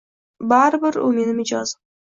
baribir u meni mijozim.